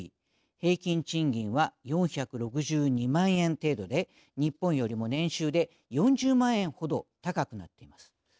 平均賃金は４６２万円程度で日本よりも年収で４０万円ほど高くなっています。